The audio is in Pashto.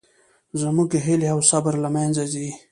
زموږ هیلې او صبر له منځه ځي